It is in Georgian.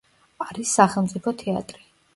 არის სახელმწიფო თეატრი.